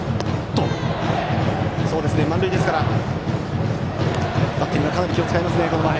満塁ですから、バッテリーはかなりこの場面、気を使いますね。